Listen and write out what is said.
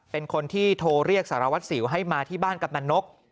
เป็นคนที่โทรเรียกสารวัตรสิวให้มาที่บ้านกำนันนก